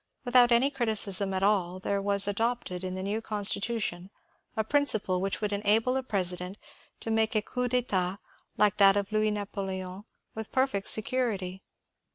Without any criticism at all there was adopted in the new Constitution a principle which would enable a president to make a coup d'etat like that of Louis Napoleon with perfect security.